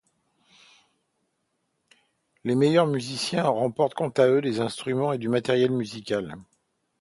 Les meilleurs musiciens remportent quant à eux des instruments et du matériel musical.